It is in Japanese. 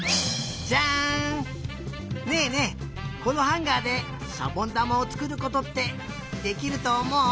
このハンガーでしゃぼんだまをつくることってできるとおもう？